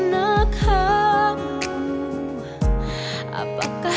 hati tak bisa mencari